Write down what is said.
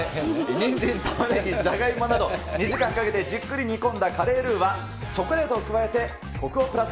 にんじん、玉ねぎ、じゃがいもなど２時間かけてじっくり煮込んだカレールーは、チョコレートを加えてこくをプラス。